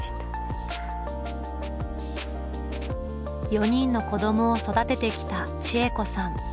４人の子どもを育ててきた知恵子さん。